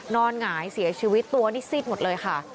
นอนหงายเสียชีวิตตัวนิสิทธิ์หมดเลยค่ะ